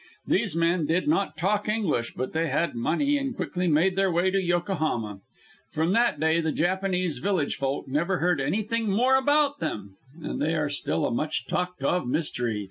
These men did not talk English, but they had money and quickly made their way to Yokohama. From that day the Japanese village folk never heard anything more about them, and they are still a much talked of mystery.